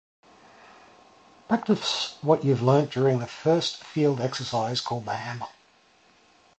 Practice what you’ve learned during your first field exercise called The Hammer